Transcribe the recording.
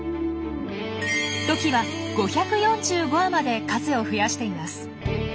トキは５４５羽まで数を増やしています。